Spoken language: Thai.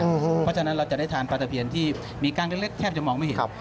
เพราะฉะนั้นเราจะได้ทานปลาตะเพียนที่มีกล้างเล็กแทบจะมองไม่เห็น